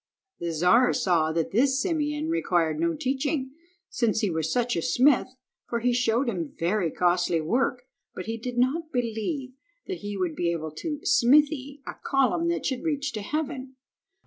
The Czar saw that this Simeon required no teaching, since he was such a smith, for he showed him very costly work, but he did not believe that he would be able to smithy a column that should reach to heaven.